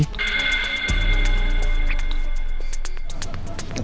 kenapa bisa ada bunga lagi